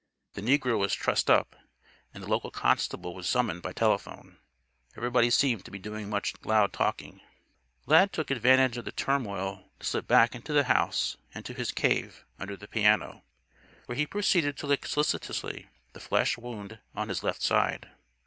The negro was trussed up and the local constable was summoned by telephone. Everybody seemed to be doing much loud talking. Lad took advantage of the turmoil to slip back into the house and to his "cave" under the piano; where he proceeded to lick solicitously the flesh wound on his left side.